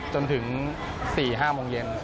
จนถึง๔๕โมงเย็น